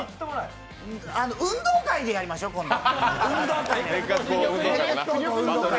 「運動会」でやりましょう、今度。